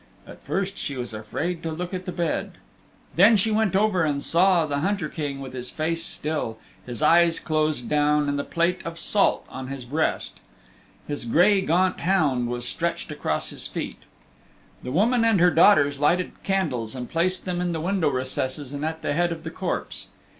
At first she was afraid to look at the bed. Then she went over and saw the Hunter King with his face still, his eyes closed down, and the plate of salt on his breast. His gray gaunt hound was stretched across his feet. The woman and her daughters lighted candles and placed them in the window recesses and at the head of the corpse.